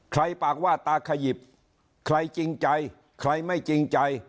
ปากว่าตาขยิบใครจริงใจใครไม่จริงใจ